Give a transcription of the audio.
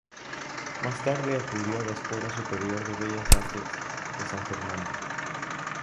Más tarde acudió a la Escuela Superior de Bellas Artes de San Fernando.